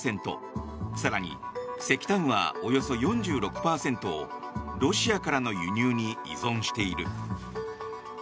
更に石炭は、およそ４６％をロシアからの輸入に依存している。